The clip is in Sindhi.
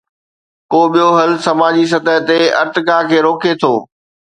ڪو ٻيو حل سماجي سطح تي ارتقا کي روڪي ٿو.